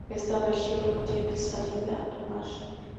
Esta región no tiene salida al mar.